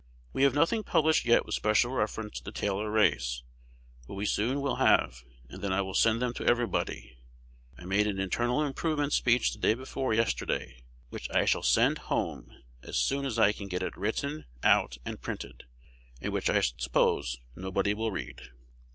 We have nothing published yet with special reference to the Taylor race; but we soon will have, and then I will send them to everybody. I made an internal improvement speech day before yesterday, which I shall send home as soon as I can get it written out and printed, and which I suppose nobody will read.